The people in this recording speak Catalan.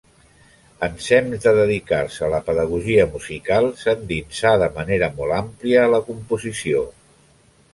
Ensems de dedicar-se a la pedagogia musical, s'endinsà de manera molt àmplia a la composició.